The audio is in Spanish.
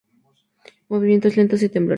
Movimientos lentos, y temblores.